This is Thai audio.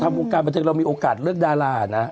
เราน่าจะเอาจริงลงกันให้มีโอกาสเลือกดารานะ